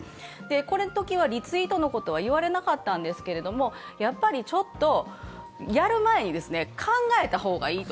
このときはリツイートのことは言われなかったんですけど、やっぱりちょっとやる前に考えた方がいいと。